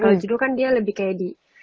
kalau judul kan dia lebih kayak di